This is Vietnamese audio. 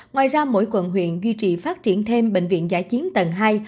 ngoài ra mỗi quận huyện duy trì phát triển thêm bệnh viện giã chiến tầng hai